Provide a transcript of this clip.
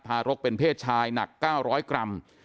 รกเป็นเพศชายหนัก๙๐๐กรัม